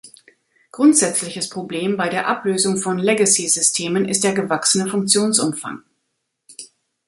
Grundsätzliches Problem bei der Ablösung von Legacy-Systemen ist der gewachsene Funktionsumfang.